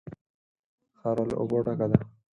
خاوره له اوبو ډکه ده.